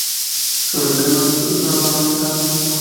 Se ubica al norte del núcleo urbano, alejada del mismo.